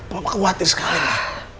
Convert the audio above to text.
papa khawatir sekali